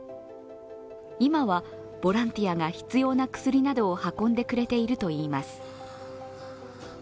今は、ボランティアが必要な薬などを運んでくれているといいます。